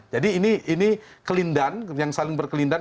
jadi ini kelindahan yang saling berkelindahan